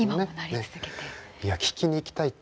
いや聴きに行きたいって